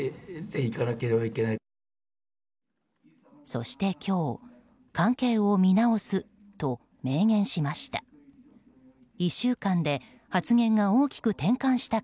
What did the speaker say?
そして今日関係を見直すと明言しました。